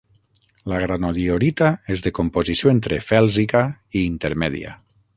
La granodiorita és de composició entre fèlsica i intermèdia.